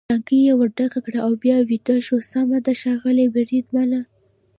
ټانکۍ یې ور ډکه کړه او بیا ویده شه، سمه ده ښاغلی بریدمنه.